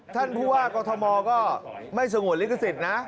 ท่านผู้ว่ากอทมก็ไม่สงวนลิขสิทธิ์นะ